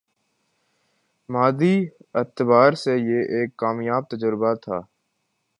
مادی اعتبار سے یہ ایک کامیاب تجربہ تھا